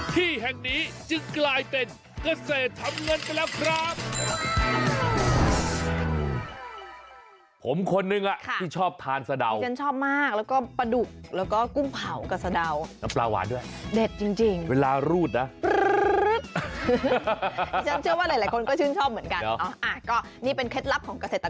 ที่แห่งนี้จึงกลายเป็นเกษตรทำเงินไปแล้วครับ